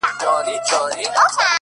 خاوري دي ژوند سه، دا دی ارمان دی،